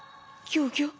ギョギョッ。